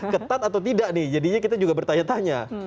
ketat atau tidak nih jadinya kita juga bertanya tanya